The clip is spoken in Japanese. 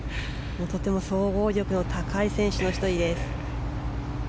総合力の高い選手の１人です。